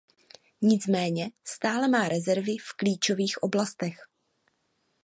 Nicméně stále má rezervy v klíčových oblastech.